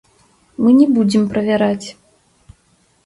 Мы не будзем правяраць.